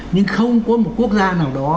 nhưng không có một quốc gia nào đó